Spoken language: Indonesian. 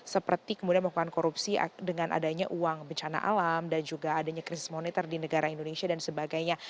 seperti kemudian melakukan korupsi dengan adanya uang bencana alam dan juga adanya krisis moneter di negara indonesia dan sebagainya